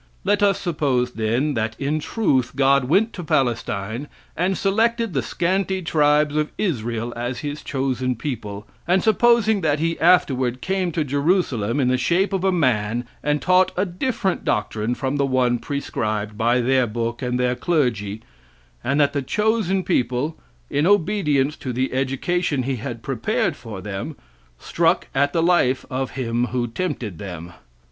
Let us suppose, then, that in truth God went to Palestine and selected the scanty tribes of Israel as his chosen people, and supposing that he afterward came to Jerusalem in the shape of a man and taught a different doctrine from the one prescribed by their book and their clergy, and that the chosen people, in obedience to the education he had prepared for them, struck at the life of him who tempted them.